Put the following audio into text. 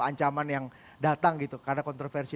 ancaman yang datang gitu karena kontroversi